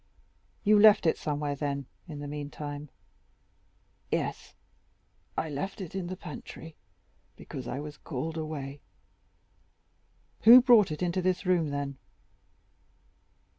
"You left it somewhere, then, in the meantime?" "Yes; I left it in the pantry, because I was called away." "Who brought it into this room, then?"